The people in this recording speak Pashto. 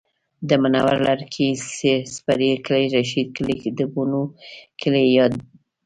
د منورې لرکلی، سېرۍ کلی، رشید کلی، ډبونو کلی یا ډبونه